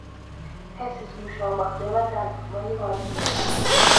ჰესის მუშაობა ხდება დამრტყმელი ვარდნით.